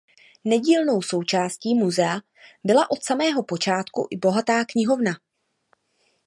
Nedílnou součástí muzea byla od samého počátku i bohatá knihovna.